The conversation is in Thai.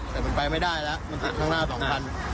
แต่มันไปไม่ได้แล้วมันติดข้างหน้า๒คัน